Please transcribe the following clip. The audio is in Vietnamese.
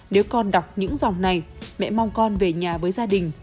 nếu con đọc những dòng này mẹ mong con về nhà với gia đình